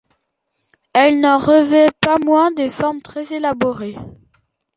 Elle n'en revêt pas moins des formes très élaborées.